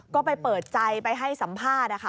ก็ไปเปิดใจไปให้สัมภาษณ์นะคะ